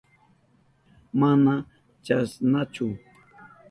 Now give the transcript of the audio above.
Mana chasnachu.